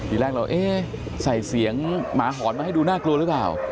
ทีแรกเราเอ๊ะใส่เสียงหมาหอนมาให้ดูน่ากลัวหรือเปล่า